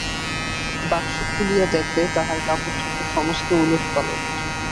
বাক্স খুলিয়া দেখে তাহার কাপড়চোপড় সমস্ত উলটপালট।